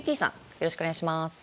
よろしくお願いします。